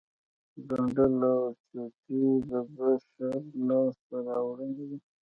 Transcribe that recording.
ګنډل او چوټې د بشر لاسته راوړنې دي